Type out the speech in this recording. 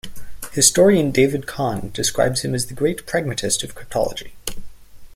Historian David Kahn describes him as the great pragmatist of cryptology.